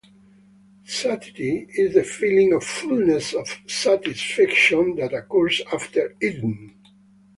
Satiety is the feeling of fullness or satisfaction that occurs after eating.